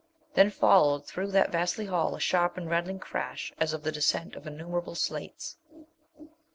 Then followed through that vasty hall a sharp and rattling crash, as of the descent of innumerable slates.